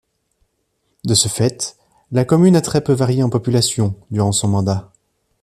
De ce fait, la commune a très peu varié en population, durant son mandat.